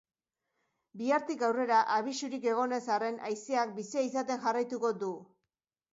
Bihartik aurrera, abisurik egon ez arren, haizeak bizia izaten jarraituko du.